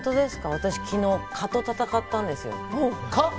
私昨日、蚊と戦ったんです。